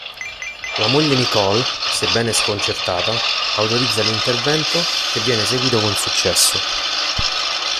La moglie Nicole, sebbene sconcertata, autorizza l'intervento, che viene eseguito con successo.